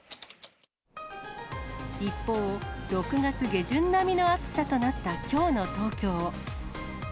一方、６月下旬並みの暑さとなったきょうの東京。